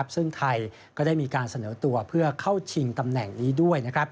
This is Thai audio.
ซึ่งไทยก็ได้มีการเสนอตัวเพื่อเข้าชิงตำแหน่งนี้ด้วย